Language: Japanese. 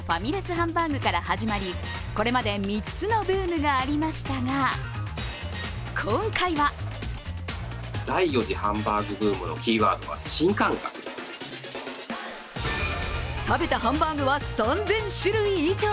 ハンバーグから始まりこれまで３つのブームがありましたが、今回は食べたハンバーグは３０００種類以上。